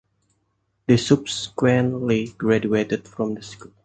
She subsequently graduated from the school.